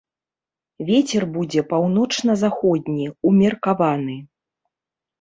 Вецер будзе паўночна-заходні, умеркаваны.